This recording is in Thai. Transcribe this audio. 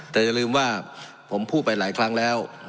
แต่อย่าลืมว่าผมพูดไปหลายครั้งแล้ว